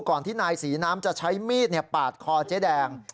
ที่นายศรีน้ำจะใช้มีดปาดคอเจ๊แดง